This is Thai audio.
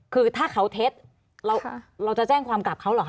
คือถ้าเขาเท็จเราจะแจ้งความกลับเขาเหรอคะ